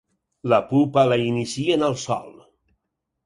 La pupa la inicien al sòl.